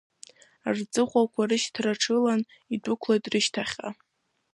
Рҵыхәақәа рышьҭарҽылан идәықәлеит рышьҭахьҟа.